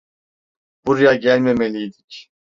Buraya gelmemeliydik.